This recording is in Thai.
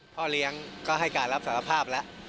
พ่อเลี้ยงก็ให้การรับสารภาพแล้ว